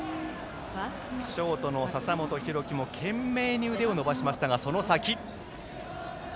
ショートの笹本裕樹も懸命に腕を伸ばしましたがその先。